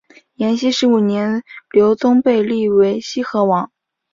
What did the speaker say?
延熙十五年刘琮被立为西河王。